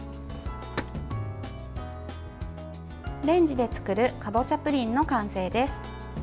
レンジで作るかぼちゃプリンの完成です。